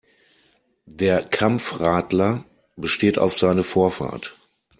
Der Kampfradler besteht auf seine Vorfahrt.